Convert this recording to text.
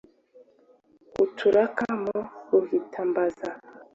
Uturuka mu Ruhitambazi